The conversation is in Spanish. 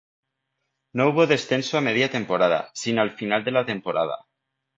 No hubo descenso a media temporada, sin al final de la temporada.